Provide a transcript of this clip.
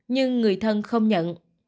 nhưng người thân không nhận